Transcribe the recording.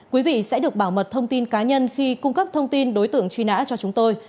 quý vị sẽ được bảo mật thông tin cá nhân khi cung cấp thông tin đối tượng truy nã cho chúng tôi